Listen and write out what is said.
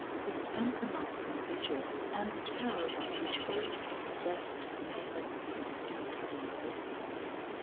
They spent the nights in vigil and the terror by which all were possessed made them seem interminable.